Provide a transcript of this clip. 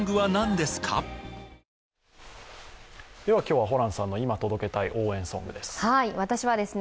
今日はホランさんのいま届けたい応援ソングです。